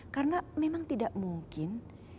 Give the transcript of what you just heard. karena memang tidak mungkin